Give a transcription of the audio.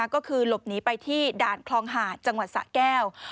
ก็คือหลบหนีไปที่ด่านคลองหาดจังหวัดสะแก้ว